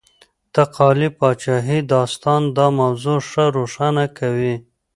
د تقالي پاچاهۍ داستان دا موضوع ښه روښانه کوي.